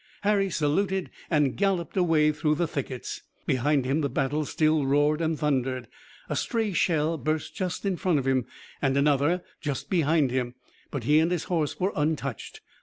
Harry saluted and galloped away through the thickets. Behind him the battle still roared and thundered. A stray shell burst just in front of him, and another just behind him, but he and his horse were untouched.